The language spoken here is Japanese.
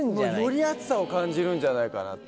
より熱さを感じるんじゃないかと。